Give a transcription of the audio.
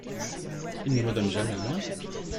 Il ne me donne jamais rien.